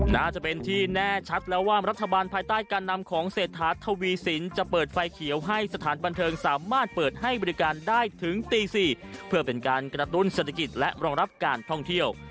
น่าจะเป็นที่แน่ชัดแล้วว่ารัฐบาลภายใต้การนำของเศรษฐาทวีสินจะเปิดไฟเขียวให้สถานบันเทิงสามารถเปิดให้บริการได้ถึงตี๔เพื่อเป็นการกระตุ้นเศรษฐกิจและรองรับการท่องเที่ยว